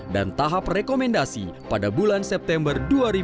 dan tahap rekomendasi pada bulan september dua ribu empat belas